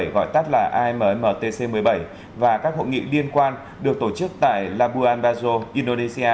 gọi tắt là ammtc một mươi bảy và các hội nghị liên quan được tổ chức tại labuan bajo indonesia